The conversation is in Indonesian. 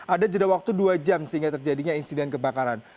ada jeda waktu dua jam sehingga terjadinya insiden kebakaran